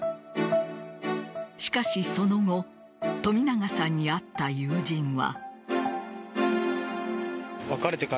しかし、その後冨永さんに会った友人は。